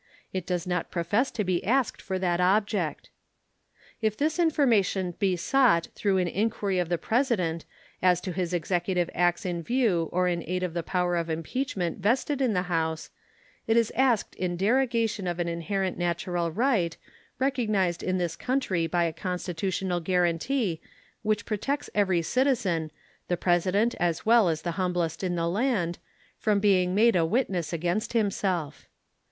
It does not profess to be asked for that object. If this information be sought through an inquiry of the President as to his executive acts in view or in aid of the power of impeachment vested in the House, it is asked in derogation of an inherent natural right, recognized in this country by a constitutional guaranty which protects every citizen, the President as well as the humblest in the land, from being made a witness against himself.